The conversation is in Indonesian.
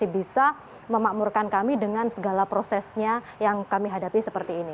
bisa memakmurkan kami dengan segala prosesnya yang kami hadapi seperti ini